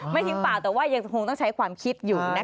ทิ้งปากแต่ว่ายังคงต้องใช้ความคิดอยู่นะคะ